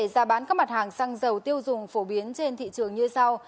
giá bán các mặt hàng xăng dầu tiêu dùng phổ biến trên thị trường như sau